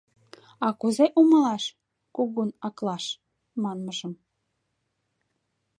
— А кузе умылаш «кугун аклаш» манмыжым?